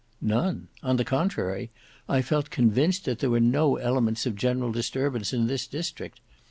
"None; on the contrary, I felt convinced that there were no elements of general disturbance in this district.